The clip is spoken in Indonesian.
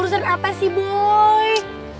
urusan apa sih boy